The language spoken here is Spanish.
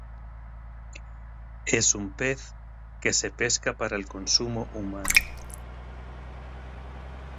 Es un pez que se pesca para el consumo humano.